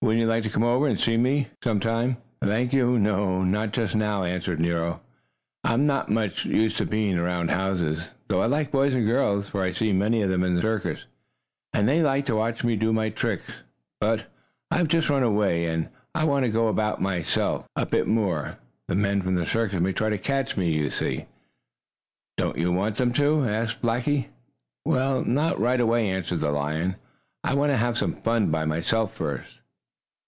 Wouldn't you like to come over and see them?" "Thank you, no. Not just now," Nero answered. "I'm not much used to being around houses, though I like boys and girls, for I see many of them in the circus, and they like to watch me do my tricks. But I have just run away, and I want to go about by myself a bit more. The men from the circus may try to catch me, you know." "Don't you want them to?" asked Blackie. "Well, not right away," answered the lion. "I want to have some fun by myself first."